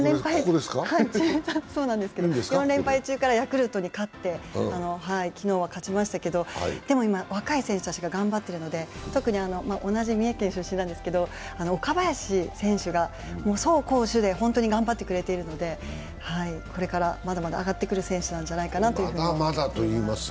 ４連敗中からヤクルトに昨日は勝ちましたけどでも、今、若い選手たちが頑張っているので、同じ三重県出身なんですが、岡林選手が走攻守で本当にくれているのでこれからまだまだ上がってくる選手なんじゃないかなと思います。